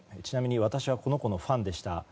ちなみに私はこの子のファンでした。